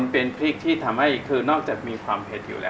เป็นพริกที่ทำให้คือนอกจากมีความเผ็ดอยู่แล้ว